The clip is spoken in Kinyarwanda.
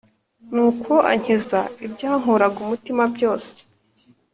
nuko ankiza ibyankuraga umutima byose